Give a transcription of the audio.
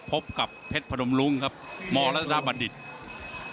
พบกับเพชรพรหมรุงครับหมอละรบอดิษฐ์